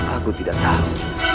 aku tidak tahu